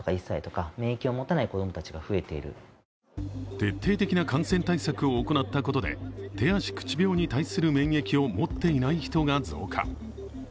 徹底的な感染対策を行ったことで手足口病に対する免疫を持っていない人が増加。